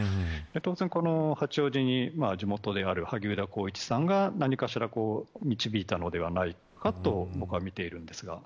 当然、八王子に地元である萩生田光一さんが何かしら導いたのではないかと僕はみているんですが。